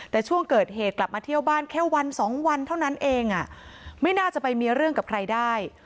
แต่ช่วงเกิดเหตุกลับมาเที่ยวบ้านแค่วันสองวันเท่านั้นเองไม่น่าจะไปมีเรื่องกับใครได้